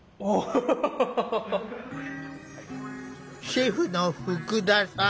シェフの福田さん。